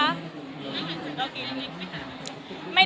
แล้วก็อีกอันนี้ไปหาไหม